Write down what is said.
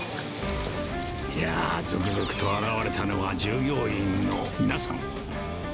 いやぁ、続々と現れたのは、従業員の皆さん。